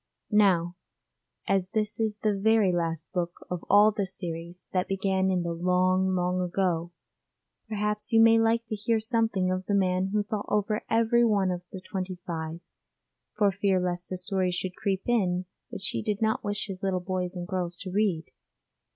Now as this is the very last book of all this series that began in the long long ago, perhaps you may like to hear something of the man who thought over every one of the twenty five, for fear lest a story should creep in which he did not wish his little boys and girls to read.